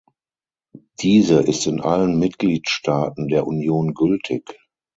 Diese ist in allen Mitgliedstaaten der Union gültig.